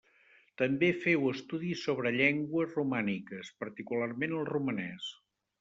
També féu estudis sobre llengües romàniques, particularment el romanès.